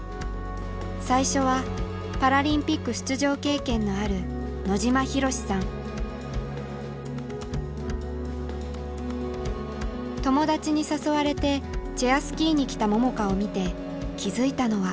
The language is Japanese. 最初はパラリンピック出場経験のある友達に誘われてチェアスキーに来た桃佳を見て気付いたのは。